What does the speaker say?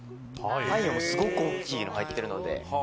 パインすごく大きいの入ってるので。